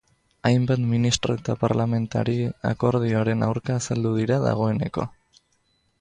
Hainbat ministro eta parlamentari akordioaren aurka azaldu dira dagoeneko.